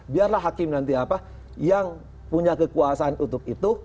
biarlah hakim nanti apa yang punya kekuasaan untuk itu